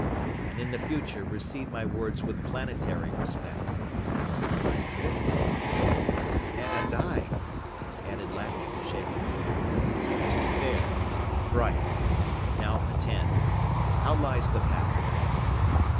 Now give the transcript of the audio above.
And in the future receive my words with planetary respect." "I will." "And I," added Lappy, shaken. "Fair. Bright. Now attend. How lies the path?"